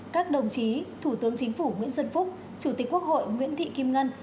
các đồng chí thủ tướng chính phủ nguyễn xuân phúc chủ tịch quốc hội nguyễn thị kim ngân